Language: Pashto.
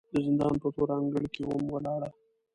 د زندان په تور انګړ کې وم ولاړه